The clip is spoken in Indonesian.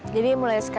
saya baik baik aja